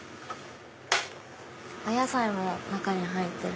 お野菜も中に入ってる。